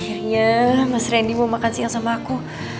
akhirnya mas randy mau makan siang sama aku